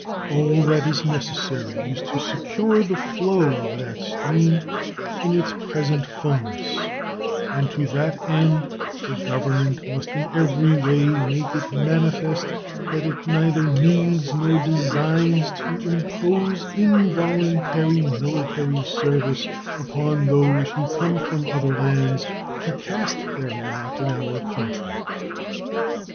All that is necessary is to secure the flow of that stream in its present fullness, and to that end the Government must in every way make it manifest that it neither needs nor designs to impose involuntary military service upon those who come from other lands to cast their lot in our country.